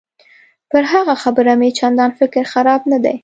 پر هغه خبره مې چندان فکر خراب نه دی.